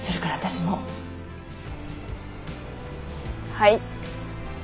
はい。